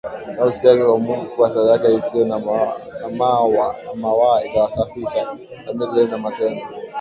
nafsi yake kwa Mungu kuwa sadaka isiyo na mawaa itawasafisha dhamiri zenu na matendo